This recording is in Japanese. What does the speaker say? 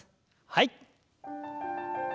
はい。